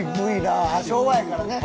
あっ昭和やからね。